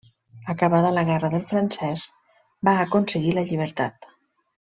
Acabada la Guerra del francès, van aconseguir la llibertat.